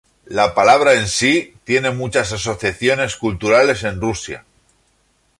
La palabra en sí tiene muchas asociaciones culturales en Rusia.